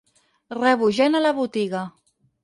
Rebo gent a la botiga.